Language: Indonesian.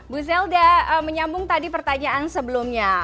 bu zelda menyambung tadi pertanyaan sebelumnya